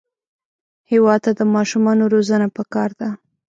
هېواد ته د ماشومانو روزنه پکار ده